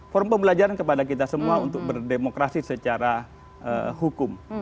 form pembelajaran kepada kita semua untuk berdemokrasi secara hukum